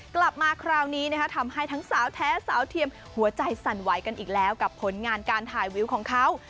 กลับมาคราวนี้ทำให้ทั้งสาวแท้สาวเทียมหัวใจสั่นไหวกันอีกแล้วกับผลงานการถ่ายวิวของเขา